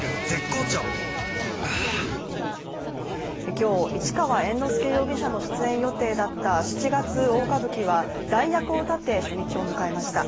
今日、市川猿之助容疑者の出演予定だった七月大歌舞伎は代役を立て、初日を迎えました。